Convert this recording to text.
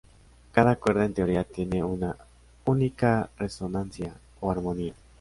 Cada cuerda en teoría tiene una única resonancia, o armonía.